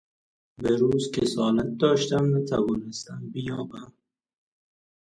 بروز کسالت داشتم نتوانستم بیابم